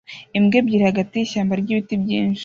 imbwa ebyiri hagati yishyamba ryibiti byinshi